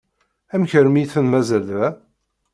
Amek armi iten-mazal da?